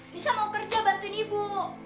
bisa mau kerja bantuin ibu